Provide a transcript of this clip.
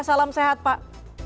salam sehat pak